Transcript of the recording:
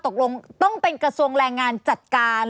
ตกลงต้องเป็นกระทรวงแรงงานจัดการ